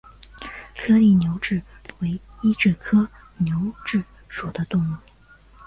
颗粒牛蛭为医蛭科牛蛭属的动物。